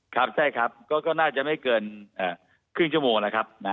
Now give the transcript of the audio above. ครับใช่ครับก็น่าจะไม่เกินครึ่งชั่วโมงแล้วครับ